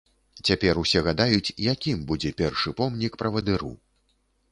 Цяпер усе гадаюць, якім будзе першы помнік правадыру.